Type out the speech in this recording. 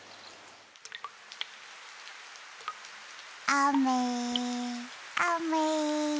あめあめ。